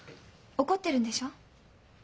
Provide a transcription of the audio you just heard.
怒ってるんでしょう？